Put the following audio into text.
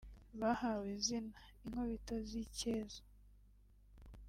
bahawe izina “Inkubito z’icyeza”